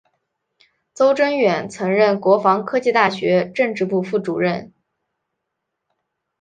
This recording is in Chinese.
邹征远曾任国防科技大学政治部副主任。